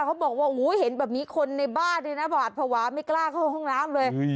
เขาบอกว่าเห็นแบบนี้คนในบ้านด้วยนะหวาดภาวะไม่กล้าเข้าห้องน้ำเลย